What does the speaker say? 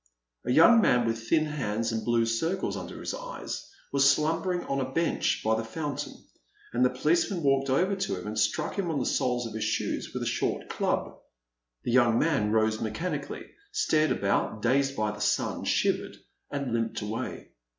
A young man with thin hands and blue circles under his eyes was slumbering on a bench by the fountain, and the policeman walked over to him and struck him on the soles of his shoes with a short club. The young man rose mechanically, stared about, dazed by the sun, shivered, and Hmped away.